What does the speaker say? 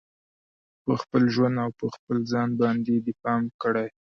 په خپل ژوند او په خپل ځان باندې دې پام کړي